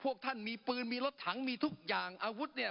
พวกท่านมีปืนมีรถถังมีทุกอย่างอาวุธเนี่ย